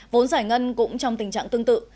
vốn giải ngân cũng trong tình trạng tương tự